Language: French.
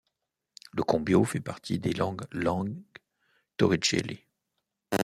Le kombio fait partie des langues langues torricelli.